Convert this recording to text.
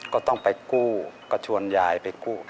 ก็ต้องไปกู้ก็ชวนยายไปกู้